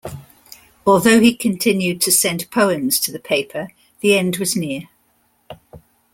Although he continued to send poems to the paper, the end was near.